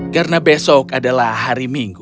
karena besok adalah hari minggu